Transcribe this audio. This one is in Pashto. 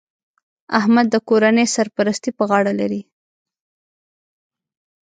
احمد د کورنۍ سرپرستي په غاړه لري